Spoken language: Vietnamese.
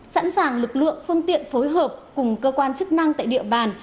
sẵn sàng lực lượng phương tiện phối hợp cùng cơ quan chức năng tại địa bàn